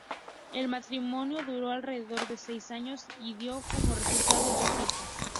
El matrimonio duró alrededor de seis años y dio como resultado dos hijas.